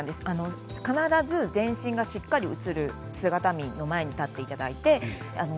必ず全身がしっかり映る姿見の前に立ってください。